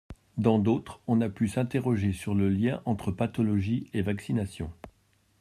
Dans d’autres, on a pu s’interroger sur le lien entre pathologies et vaccinations.